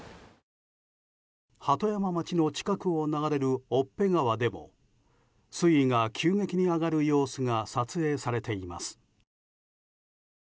鳩山町の近くを流れる越辺川でも水位が急激に上がる様子が撮影されています。